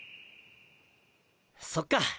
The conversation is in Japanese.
そっか。